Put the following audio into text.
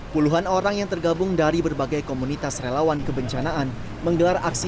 puluhan orang yang tergabung dari berbagai komunitas relawan kebencanaan menggelar aksi